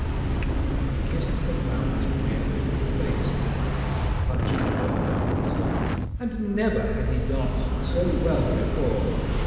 He kissed the clown's queer painted face, and Punchinello danced. And never had he danced so well before.